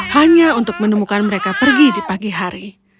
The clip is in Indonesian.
hanya untuk menemukan mereka pergi di pagi hari